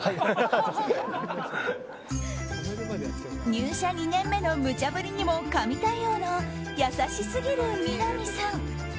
入社２年目のむちゃ振りにも神対応の優しすぎるみな実さん。